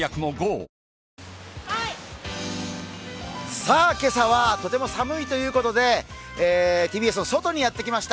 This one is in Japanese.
さぁ、今朝はとても寒いということでＴＢＳの外にやってまいりました。